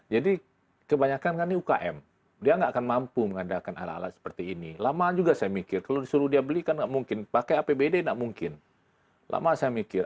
jadi kebanyakan kan ini ukm dia nggak akan mampu mengadakan alat alat seperti ini lama juga saya mikir kalau disuruh dia beli kan nggak mungkin pakai apbd nggak mungkin lama saya mikir